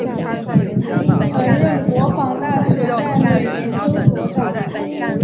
曾任国防大学战略研究所长。